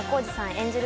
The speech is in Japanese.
演じる